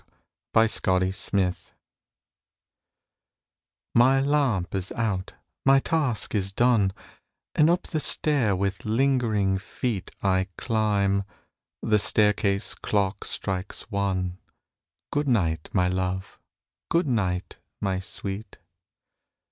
A LATE GOOD NIGHT My lamp is out, my task is done, And up the stair with lingering feet I climb. The staircase clock strikes one. Good night, my love! good night, my sweet!